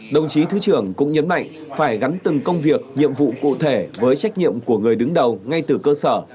đồng chí thứ trưởng cũng nhấn mạnh phải gắn từng công việc nhiệm vụ cụ thể với trách nhiệm của người đứng đầu ngay từ cơ sở